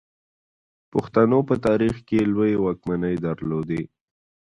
پښتنو په تاریخ کې لویې واکمنۍ درلودې